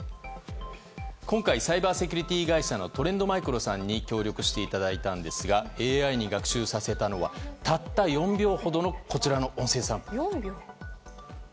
今回サイバーセキュリティー会社のトレンドマイクロさんに協力していただいたんですがＡＩに学習させたのはたった４秒ほどの音声サンプル。